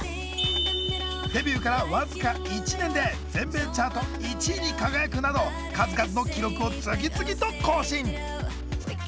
デビューから僅か１年で全米チャート１位に輝くなど数々の記録を次々と更新。